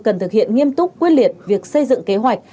cần thực hiện nghiêm túc quyết liệt việc xây dựng kế hoạch